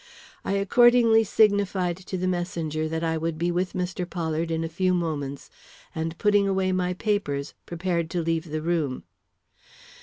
I accordingly signified to the messenger that I would be with Mr. Pollard in a few moments, and putting away my papers, prepared to leave the room.